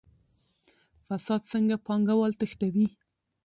فساد څنګه پانګوال تښتوي؟